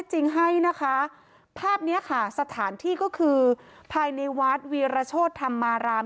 ค่อทักษึนทางให้นะคะภาพนี้ค่ะสถานที่ก็คือภายในวัดเวียระโชฏธรรมาราม